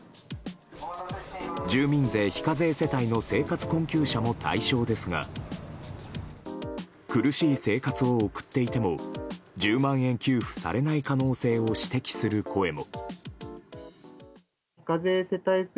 住民税非課税世帯の生活困窮者も対象ですが苦しい生活を送っていても１０万円給付されない可能性を指摘する声も。